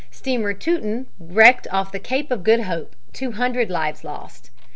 Steamer Teuton wrecked off the Cape of Good Hope; 200 lives lost.